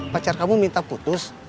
pacar kamu minta putus